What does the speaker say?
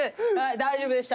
大丈夫でした。